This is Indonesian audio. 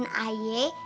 ngasuh bantuin ayah